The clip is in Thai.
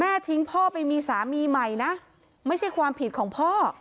ทิ้งพ่อไปมีสามีใหม่นะไม่ใช่ความผิดของพ่อ